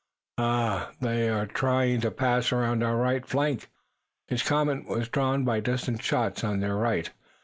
"Ah, they are trying to pass around our right flank." His comment was drawn by distant shots on their right.